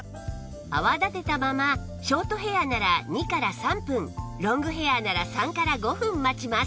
泡立てたままショートヘアなら２から３分ロングヘアなら３から５分待ちます